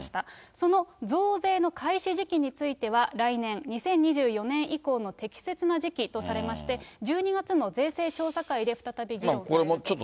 その増税の開始時期については、来年・２０２４年以降の適切な時期とされまして、１２月の税制調査会で再び議論すると。